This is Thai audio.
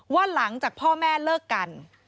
ว่าหลังจากพ่อแม่เลิกกัน